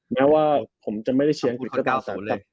แม้ว่าผมจะไม่ได้เชียร์อังกฤษ